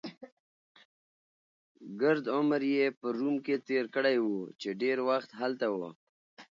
ګرد عمر يې په روم کې تېر کړی وو، چې ډېر وخت هلته و.